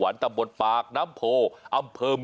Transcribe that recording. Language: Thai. จังหวัดตกของสวรรค์